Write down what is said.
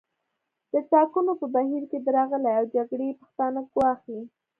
د ټاکنو په بهیر کې درغلۍ او جګړې پښتانه ګواښي